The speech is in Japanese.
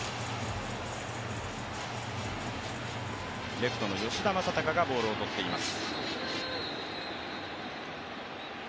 レフトの吉田正尚がボールをとっています。